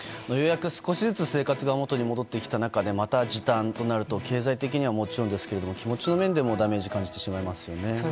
ようやく少しずつ生活がもとに戻ってきた中でまた時短となると経済的にはもちろんですが気持ちの面でもダメージ感じてしまいますね。